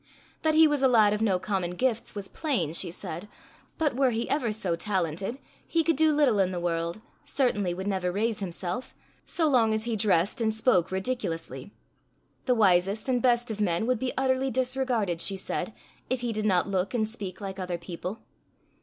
That he was a lad of no common gifts was plain, she said, but were he ever so "talented" he could do little in the world, certainly would never raise himself, so long as he dressed and spoke ridiculously. The wisest and best of men would be utterly disregarded, she said, if he did not look and speak like other people.